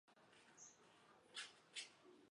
洼点蓼为蓼科蓼属下的一个变种。